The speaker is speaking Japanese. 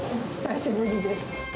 久しぶりです。